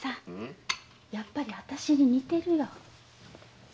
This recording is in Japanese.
やっぱりあたしに似てるよ。